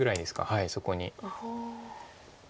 はいそこに。